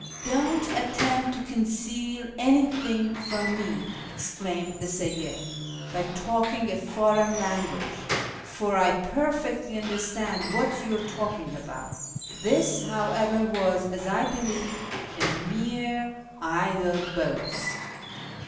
" Don't attempt to conceal anything from me," exclaimed the Seyyid, " by talking a foreign language, for I perfectly understand what you are talking about," This, however, was, as I believe, a mere idle boast.